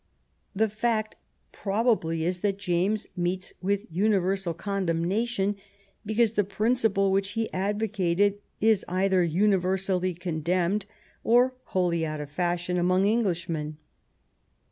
The fact probably is that James meets with universal condemnation be cause the principle which he advocated is either uni versally condemned or wholly out of fashion among Englishmen.